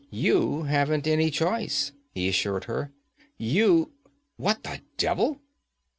'You haven't any choice,' he assured her. 'You what the devil!'